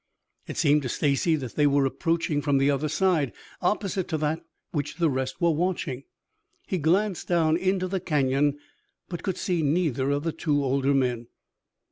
It seemed to Stacy that they were approaching from the other side, opposite to that which the rest were watching. He glanced down into the canyon, but could see neither of the two older men.